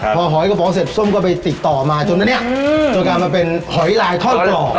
พอหอยกระป๋องเสร็จส้มก็ไปติดต่อมาจนอันนี้จนกลายมาเป็นหอยลายทอดกรอบ